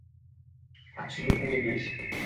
আজ সুযোগ মিলে গিয়েছিল।